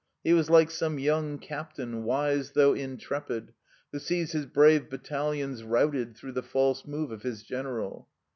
He was like some young captain, wise though intrepid, who sees his brave battalions routed through the false move of his general.